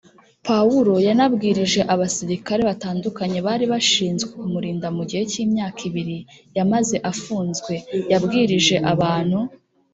Pawulo yanabwirije abasirikare batandukanye bari bashinzwe kumurinda Mu gihe cy imyaka ibiri yamaze afunzwe yabwirije abantu